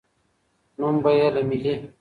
نوم به یې له ملي